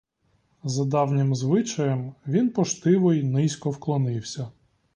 За давнім звичаєм, він поштиво й низько вклонився.